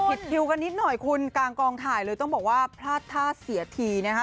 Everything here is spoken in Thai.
คิวกันนิดหน่อยคุณกลางกองถ่ายเลยต้องบอกว่าพลาดท่าเสียทีนะคะ